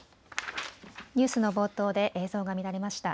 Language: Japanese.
ニュースの冒頭で映像が乱れました。